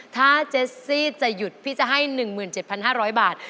ถ้าเจสซี่จะหยุดพี่จะให้๑๗๕๐๐บาท